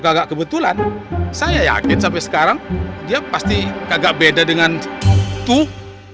agak kebetulan saya yakin sampai sekarang dia pasti agak beda dengan tuh